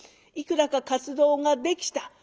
いくらか活動ができた。